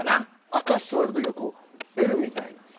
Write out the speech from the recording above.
赤座る時はこうＬみたいなさ。